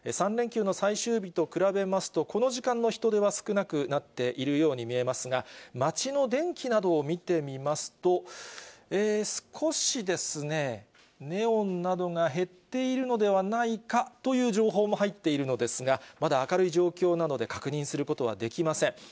３連休の最終日と比べますと、この時間の人出は少なくなっているように見えますが、街の電気などを見てみますと、少しですね、ネオンなど減っているのではないかという情報も入っているのですが、まだ明るい状況なので、確認することはできません。